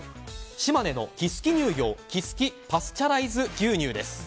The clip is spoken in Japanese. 島根の木次乳業木次パスチャライズ牛乳です。